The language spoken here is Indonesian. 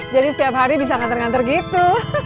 jadi setiap hari bisa ngantar ngantar gitu